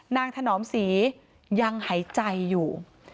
ถนอมศรียังหายใจอยู่